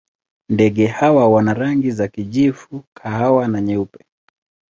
Ndege hawa wana rangi za kijivu, kahawa na nyeupe.